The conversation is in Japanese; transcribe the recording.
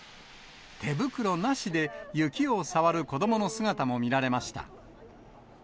手袋なしで、雪を触る子どもの姿も見られました。